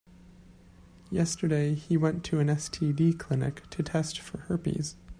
Yesterday, he went to an STD clinic to test for herpes.